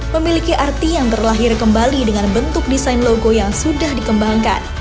memiliki arti yang terlahir kembali dengan bentuk desain logo yang sudah dikembangkan